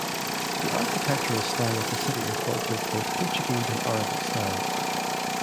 The architectural style of the city incorporates both Portuguese and Arabic styles.